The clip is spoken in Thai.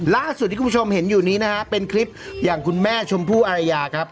ล่าสุดที่คุณผู้ชมเห็นอยู่นี้นะฮะเป็นคลิปอย่างคุณแม่ชมพู่อารยาครับ